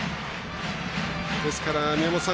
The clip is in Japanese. ですから、宮本さん